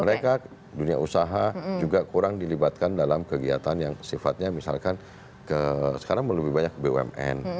mereka dunia usaha juga kurang dilibatkan dalam kegiatan yang sifatnya misalkan sekarang lebih banyak bumn